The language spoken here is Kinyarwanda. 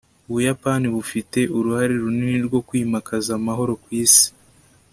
ubuyapani bufite uruhare runini mu kwimakaza amahoro ku isi